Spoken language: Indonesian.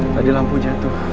tadi lampu jatuh